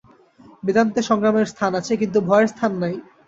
বেদান্তে সংগ্রামের স্থান আছে, কিন্তু ভয়ের স্থান নাই।